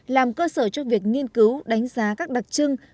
làm cơ sở cho việc nghiên cứu đánh giá các đặc trưng